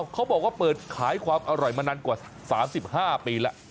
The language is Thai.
เขาบอกว่าเปิดขายความอร่อยมานานกว่า๓๕ปีแล้ว